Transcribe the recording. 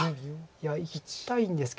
いやいきたいんですけど。